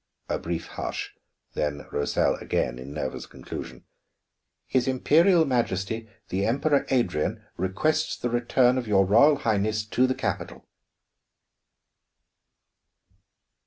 A brief hush, then Rosal again in nervous conclusion: "His Imperial Majesty the Emperor Adrian requests the return of your Royal Highness to the capital."